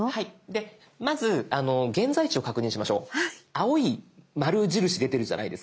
青い丸印出てるじゃないですか。